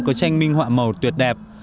có tranh minh họa màu tuyệt đẹp